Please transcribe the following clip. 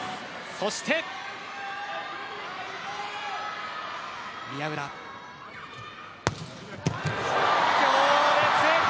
そして宮浦、強烈。